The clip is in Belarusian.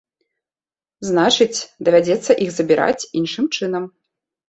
Значыць, давядзецца іх забіраць іншым чынам.